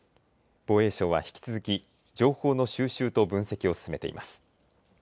防衛省は引き続き情報の収集と分析を進めています。